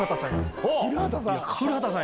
⁉古畑さん！